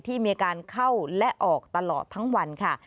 ที่มีอาการเข้าและออกตลอดทั้งวันค่ะ